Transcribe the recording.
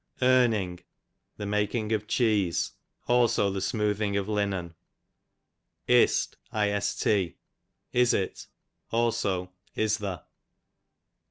Irning, the making of cheese; also the smoothing of linen. 1st, is it; also is the.